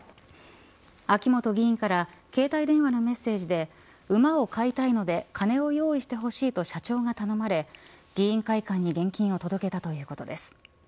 秋本議員から携帯電話のメッセージで馬を買いたいので金を用意してほしいと社長が頼まれ議員会館に現金を届けたということです。